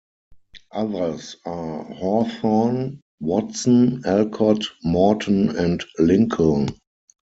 Others are Hawthorne, Watson, Alcott, Morton, and Lincoln.